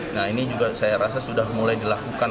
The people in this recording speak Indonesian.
nah ini juga saya rasa sudah mulai dilakukan